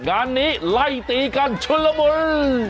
งานนี้ไล่ตีกันชนละมุน